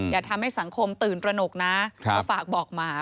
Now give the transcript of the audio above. อย่าทำให้สังคมตื่นตระหนกนะก็ฝากบอกหมา